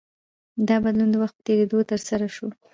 دا بدلون د وخت په تېرېدو ترسره شو.